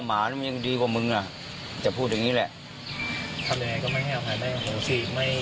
ทำยังไงก็ไม่ให้อภัยไม่ให้โหสิทธิ์